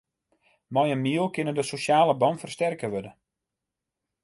Mei in miel kinne de sosjale bannen fersterke wurde.